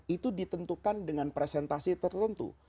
itu ditentukan dengan presentasi tertentu